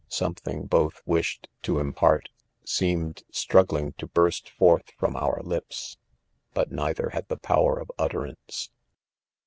Something both wished to .'impact, seemed, struggling to hurst forth front our lips, but neither had the powisr of utterance.